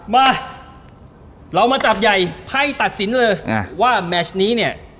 มาเรามาจับใหญ่ไพ่ตัดสินเลยว่าแมชนี้เนี่ย